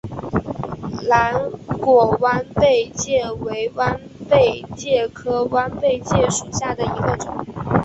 蓝果弯贝介为弯贝介科弯贝介属下的一个种。